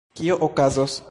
Kio okazos?